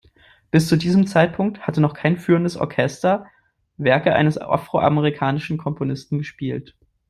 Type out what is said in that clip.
Bis zu diesem Zeitpunkt hatte noch kein führendes Orchester Werke eines afroamerikanischen Komponisten gespielt.